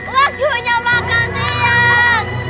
waktunya makan siang